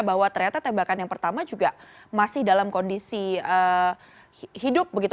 bahwa ternyata tembakan yang pertama juga masih dalam kondisi hidup begitu